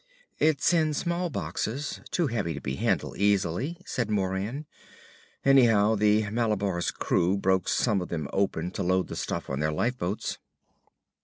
"It's in small boxes too heavy to be handled easily," said Moran. "Anyhow the Malabar's crew broke some of them open to load the stuff on their lifeboats."